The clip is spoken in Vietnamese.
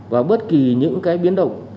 và bất kỳ những biến động